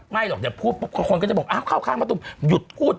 หรอกเดี๋ยวพูดปุ๊บคนก็จะบอกอ้าวเข้าข้างมะตูมหยุดพูด